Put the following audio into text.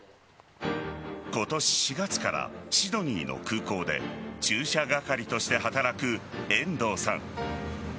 今年４月からシドニーの空港で駐車係として働く遠藤さん。